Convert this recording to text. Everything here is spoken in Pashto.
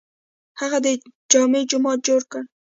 هغه د جامع جومات جوړ کړ.